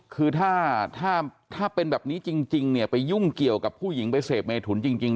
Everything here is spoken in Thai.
คือถ้าถ้าเป็นแบบนี้จริงเนี่ยไปยุ่งเกี่ยวกับผู้หญิงไปเสพเมถุนจริง